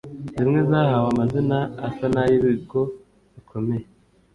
zimwe zahawe amazina asa n’ay’ibigo bikomeye